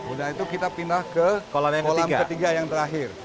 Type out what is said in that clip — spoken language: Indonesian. udah itu kita pindah ke kolam ketiga yang terakhir